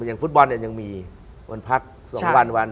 อย่างฟุตบอลยังมีวันพัก๒วัน